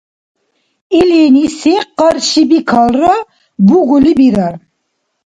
Илини се къаршибикалра бугули бирар.